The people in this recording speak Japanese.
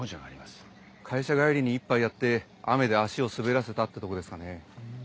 会社帰りに１杯やって雨で足を滑らせたってとこですかね。